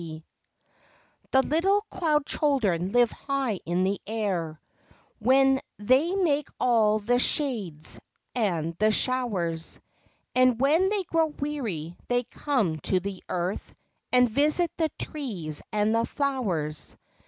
C he little cloud children live high in the air Where they make all the shades and the showers; And when they grow weary they come to the earth, And visit the trees and the dowers.